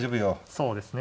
そうですね。